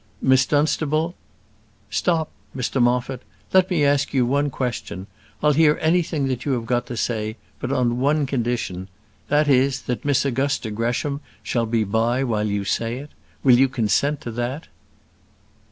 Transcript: Miss Dunstable " "Stop! Mr Moffat. Let me ask you one question. I'll hear anything that you have got to say, but on one condition: that is, that Miss Augusta Gresham shall be by while you say it. Will you consent to that?"